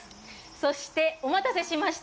そして、お待たせしました。